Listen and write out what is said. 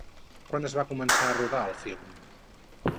Quan es va començar a rodar el film?